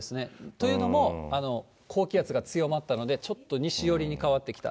というのも、高気圧が強まったので、ちょっと西寄りに変わってきた。